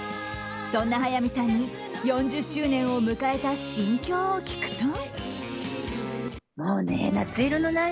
そんな早見さんに４０周年を迎えた心境を聞くと。